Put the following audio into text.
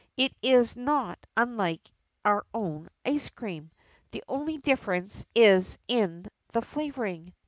It is not unlike our own ice cream. The only difference is in the flavoring.